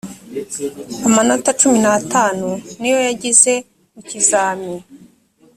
amanota cumi n’atanu niyo yagize mu kizami